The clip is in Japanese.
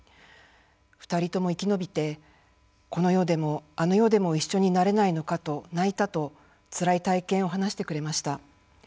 ２人とも生き延びてこの世でもあの世でも一緒になれないのかと泣いたとつらい体験を話してくれました。